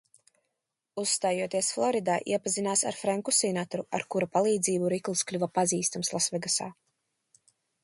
Uzstājoties Floridā, iepazinās ar Frenku Sinatru, ar kura palīdzību Riklss kļuva pazīstams Lasvegasā.